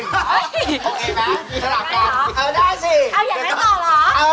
เอาอย่างนั้นต่อหรอ